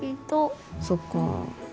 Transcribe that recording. そっか。